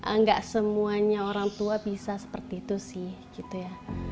enggak semuanya orang tua bisa seperti itu sih